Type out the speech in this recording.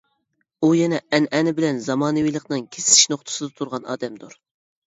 ئۇ يەنە ئەنئەنە بىلەن زامانىۋىلىقنىڭ كېسىشىش نۇقتىسىدا تۇرغان ئادەمدۇر.